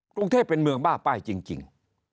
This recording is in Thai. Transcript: กรุงเทพเป็นเมืองบ้าป้ายจริง